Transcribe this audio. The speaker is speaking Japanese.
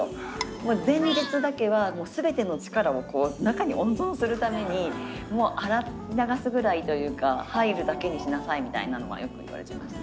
もう前日だけは全ての力をこう中に温存するためにもう洗い流すぐらいというか入るだけにしなさいみたいなのはよく言われてました。